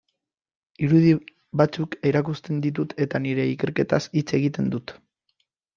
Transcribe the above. Irudi batzuk erakusten ditut eta nire ikerketaz hitz egiten dut.